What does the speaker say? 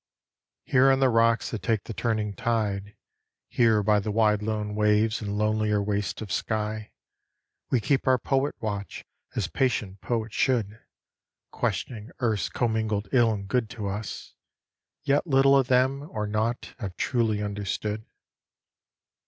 Here on the rocks that take the turning tide; Here by the wide lone waves and lonelier wastes of sky, We keep our poet watch, as patient poets should, Questioning earth's commingled ill and good to us. Yet little of them, or naught, have truly understood.